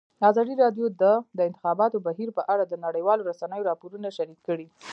ازادي راډیو د د انتخاباتو بهیر په اړه د نړیوالو رسنیو راپورونه شریک کړي.